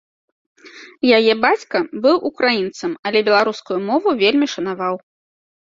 Яе бацька быў украінцам, але беларускую мову вельмі шанаваў.